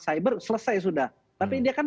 cyber selesai sudah tapi dia kan